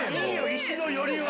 石の寄りは！